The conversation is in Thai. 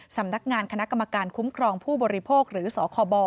สำนักงานคณะกรรมการคุ้มครองผู้บริโภคหรือสคบ